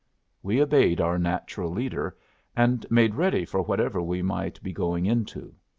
We obeyed our natural leader, and made ready for whatever we might be going into.